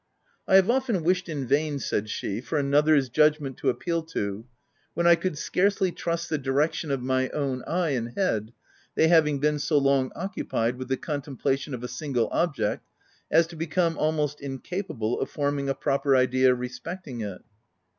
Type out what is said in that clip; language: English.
" I have often wished in vain." said she, " for another's judgment to appeal to when I could scarcely trust the direction of my own eye and head, they having been so long occupied with the contemplation of a single object, as to be come almost incapable of forming a proper idea respecting it."